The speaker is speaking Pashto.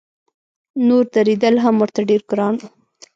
نور درېدل هم ورته ډېر ګران و.